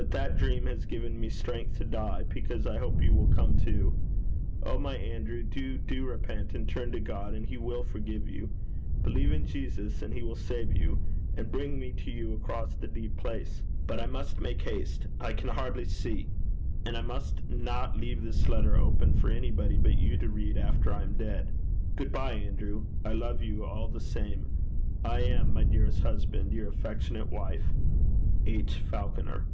But that dream has given me strength to die, because I hope you will come too. Oh, my dear Andrew, do, do repent and turn to God, and he will forgive you. Believe in Jesus, and he will save you, and bring me to you across the deep place. But I must make haste. I can hardly see. And I must not leave this letter open for anybody but you to read after I am dead. Good bye, Andrew. I love you all the same. I am, my dearest Husband, your affectionate Wife, 'H. FALCONER.'